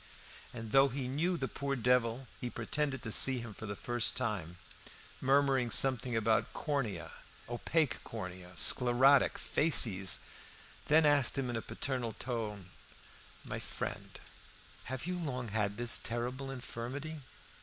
And though he knew the poor devil, he pretended to see him for the first time, murmured something about "cornea," "opaque cornea," "sclerotic," "facies," then asked him in a paternal tone "My friend, have you long had this terrible infirmity?